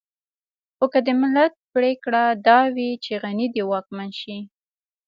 خو که د ملت پرېکړه دا وي چې غني دې واکمن شي.